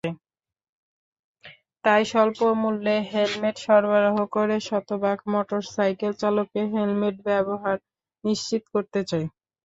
তাই স্বল্পমূল্যে হেলমেট সরবরাহ করে শতভাগ মোটরসাইকেল-চালককে হেলমেট ব্যবহার নিশ্চিত করতে চাই।